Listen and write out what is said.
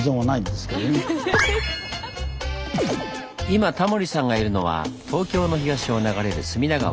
今タモリさんがいるのは東京の東を流れる隅田川。